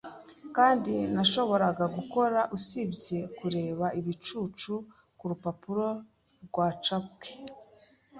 Nta kindi nashoboraga gukora usibye kureba ibicucu kurupapuro rwacapwe.